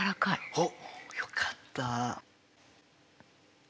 おっよかった。